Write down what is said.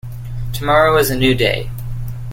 Tomorrow is a new day.